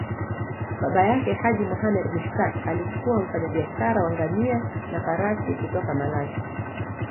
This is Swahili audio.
Baba yake, Haji Muhammad Mushtaq, alikuwa mfanyabiashara wa ngamia na farasi kutoka Malashi.